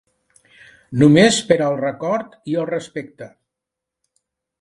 Només per al record i el respecte.